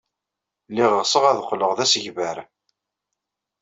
Lliɣ ɣseɣ ad qqleɣ d asegbar.